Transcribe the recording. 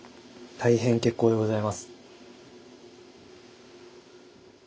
大変結構でございます。